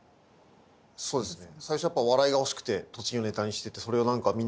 そうですね。